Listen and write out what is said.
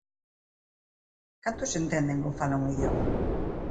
¿Cantos entenden ou falan o idioma?